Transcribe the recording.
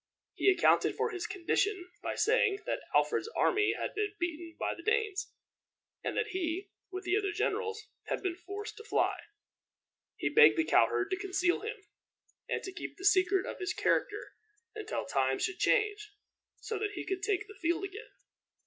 He accounted for his condition by saying that Alfred's army had been beaten by the Danes, and that he, with the other generals, had been forced to fly. He begged the cow herd to conceal him, and to keep the secret of his character until times should change, so that he could take the field again.